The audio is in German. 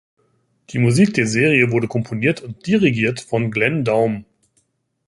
Die Musik der Serie wurde komponiert und dirigiert von Glen Daum.